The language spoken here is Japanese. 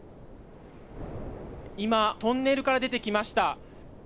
今トンネルから出てきました。